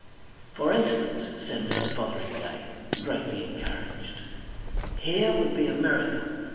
"For instance," said Mr. Fotheringay, greatly encouraged. "Here would be a miracle.